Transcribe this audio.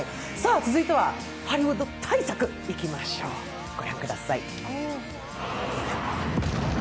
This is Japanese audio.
続いてはハリウッド大作いきましょう、御覧ください。